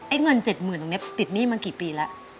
เงิน๗๐๐ตรงนี้ติดหนี้มากี่ปีแล้ว